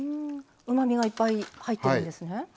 うまみがいっぱい入ってるんですね。